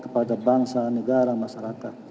kepada bangsa negara masyarakat